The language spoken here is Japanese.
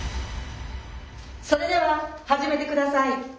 それでは始めて下さい。